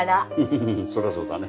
フフフそりゃそうだね。